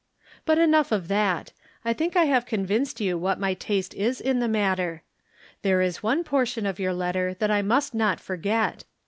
But enough of that ; I think I have convinced you "what my taste is in the matter. There is one portion of your letter that I must not forget.